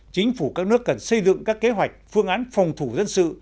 chính phủ các nước cần xây dựng các kế hoạch phương án phòng thủ dân sự